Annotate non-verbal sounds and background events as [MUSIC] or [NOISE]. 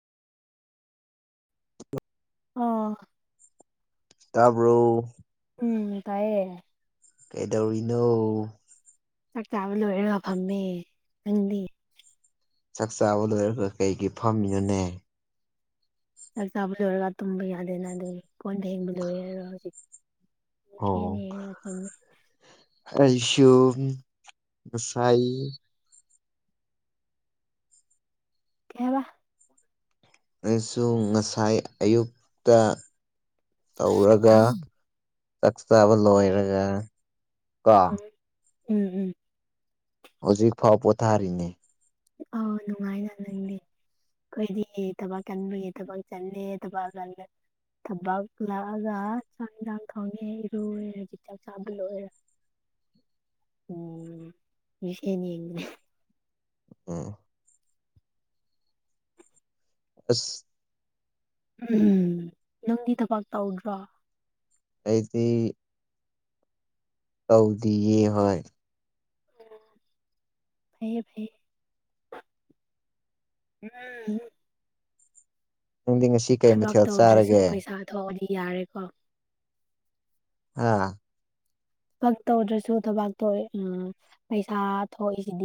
ꯑꯥ ꯇꯥꯕ꯭ꯔꯣ? ꯎꯝ ꯇꯥꯏꯌꯦ꯫ ꯀꯩꯗꯧꯔꯤꯅꯣ? ꯆꯥꯛ ꯆꯥꯕ ꯂꯣꯔꯒ ꯐꯝꯃꯦ꯫ ꯅꯪꯗꯤ? ꯆꯥꯛ ꯆꯥꯕ ꯂꯣꯏꯔꯒ ꯀꯩꯒꯤ ꯐꯝꯃꯤꯅꯣꯅꯦ? ꯆꯥꯛ ꯆꯥꯕ ꯂꯣꯏꯔꯒ ꯇꯨꯝꯕ ꯌꯥꯗꯦꯅ ꯑꯗꯨꯒꯤ ꯀꯣꯟ ꯐꯦꯡꯕ ꯂꯣꯏꯔꯦ ꯍꯧꯖꯤꯛ꯫ ꯌꯦꯡꯅ ꯑꯣ ꯌꯦꯡꯅ ꯐꯝꯃꯦ꯫ ꯑꯩꯁꯨ ꯉꯁꯥꯏ, ꯀꯩ ꯍꯥꯏꯕ? ꯑꯩꯁꯨ ꯉꯁꯥꯏ ꯑꯌꯨꯛꯇ ꯇꯧꯔꯒ, ꯆꯥꯛ ꯆꯥꯕ ꯂꯣꯏꯔꯒ ꯀꯣ ꯎꯝ ꯎꯝ ꯎꯝ ꯍꯧꯖꯤꯛ ꯐꯥꯎ ꯄꯣꯊꯥꯔꯤꯅꯦ ꯑꯥꯎ ꯅꯨꯡꯉꯥꯏꯅ ꯂꯩꯅꯦ ꯑꯈꯣꯏꯗꯤ ꯊꯕꯛ ꯀꯟꯕꯒꯤ ꯊꯕꯛ ꯆꯠꯂꯦ ꯊꯕꯛ ꯆꯠꯂꯦ ꯊꯕꯛ ꯍꯜꯂꯛꯑꯒ ꯆꯥꯛ ꯏꯟꯖꯥꯡ ꯊꯣꯡꯉꯦ ꯏꯔꯨꯔꯦ ꯍꯧꯖꯤꯛ ꯆꯥꯛ ꯆꯥꯕ ꯂꯣꯏꯔꯦ [INAUDIBLE] ꯎꯝ ꯃꯤꯡꯁꯦꯟ ꯌꯦꯡꯕꯅꯦ ꯑꫭ ꯑꯁ ꯎꯝ ꯅꯪꯗꯤ ꯊꯕꯛ ꯇꯧꯗ꯭ꯔꯣ ꯑꯩꯗꯤ ꯇꯧꯗꯤꯌꯦ ꯍꯣꯏ ꯑꫭ ꯐꯩꯌꯦ ꯐꯩꯌꯦ [UNINTELLIGIBLE] ꯅꯪꯗꯤ ꯉꯁꯤ ꯀꯩ ꯊꯕꯛ ꯃꯊꯦꯜ ꯇꯧꯗ꯭ꯔꯁꯨ ꯆꯥꯔꯒꯦ ꯄꯩꯁꯥ ꯊꯣꯛꯑꯗꯤ ꯌꯥꯔꯦꯀꯣ ꯑꯥ ꯊꯕꯛ ꯇꯧꯗ꯭ꯔꯁꯨ ꯊꯕꯛ ꯇꯣꯑꯦ ꯎꯝ ꯄꯩꯁꯥ ꯊꯣꯛꯏꯁꯤꯗꯤ